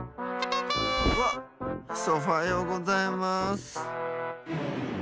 わっソファようございます！